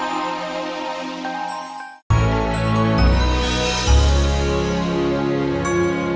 maksudku ibu misalkan ibuonstah